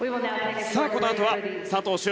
さあこのあとは佐藤駿